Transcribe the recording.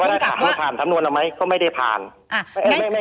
ค่ะค่ะแล้วถ้าคุณผ่านสำนวนแล้วไหมก็ไม่ได้ผ่านอ่า